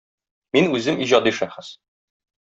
Мин үзем иҗади шәхес.